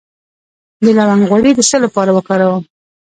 د لونګ غوړي د څه لپاره وکاروم؟